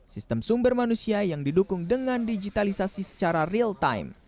sistem sumber manusia yang didukung dengan digitalisasi secara real time